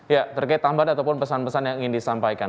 ya terkait tambahan ataupun pesan pesan yang ingin disampaikan